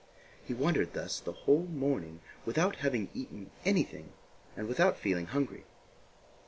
He wandered thus the whole morning, without having eaten anything and without feeling hungry.